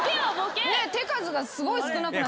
手数がすごい少なく。